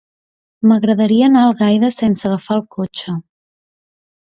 M'agradaria anar a Algaida sense agafar el cotxe.